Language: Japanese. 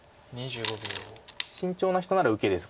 慎重な人なら受けです